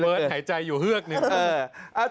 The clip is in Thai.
พี่เบิร์ดหายใจอยู่เหือกหนึ่ง